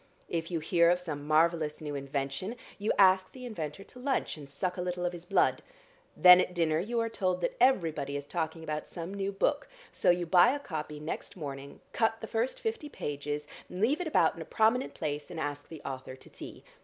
If you hear of some marvellous new invention, you ask the inventor to lunch and suck a little of his blood. Then at dinner you are told that everybody is talking about some new book, so you buy a copy next morning, cut the first fifty pages, leave it about in a prominent place, and ask the author to tea.